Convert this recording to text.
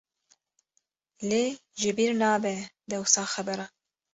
Lê ji bîr nabe dewsa xeberan.